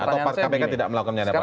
atau kpk tidak melakukan penyedapan dulu